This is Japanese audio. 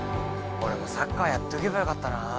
俺もサッカーやっとけばよかったなぁ。